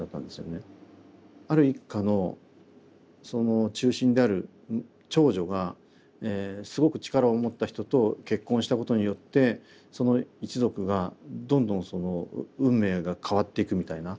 ある一家のその中心である長女がすごく力を持った人と結婚したことによってその一族がどんどんその運命が変わっていくみたいな。